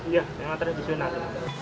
iya dengan tradisional